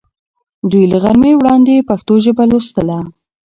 دوی له غرمې وړاندې پښتو ژبه لوستله.